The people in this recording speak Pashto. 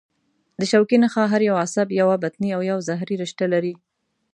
د شوکي نخاع هر یو عصب یوه بطني او یوه ظهري رشته لري.